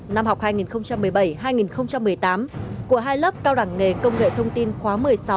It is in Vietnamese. năm học hai nghìn một mươi bảy hai nghìn một mươi tám của hai lớp cao đẳng nghề công nghệ thông tin khóa một mươi sáu